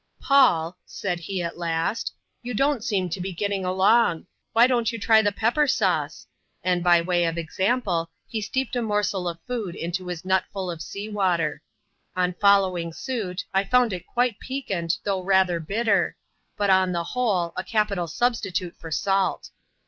" Paul," said he, at last, "you don't seem to be getting along; why don't you try the pepper sauce?" and, by way of ex ample, he steeped a morsel of food into his nutful of sea water» On following suit, I found it quite piquant, though rather bitter ; but, on the whole, a capital substitute for salt.